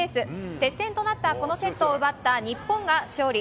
接戦となったこのセットを奪った日本が勝利。